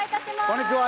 こんにちは。